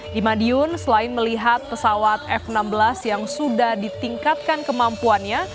di madiun selain melihat pesawat f enam belas yang sudah ditingkatkan kemampuannya